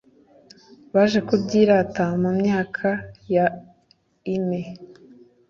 baje kubyirata mu myaka ya ine